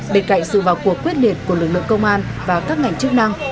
bên cạnh sự vào cuộc quyết liệt của lực lượng công an và các ngành chức năng